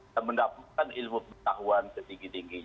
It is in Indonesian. dan mendapatkan ilmu pengetahuan ketinggi tingginya